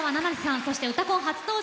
そして「うたコン」初登場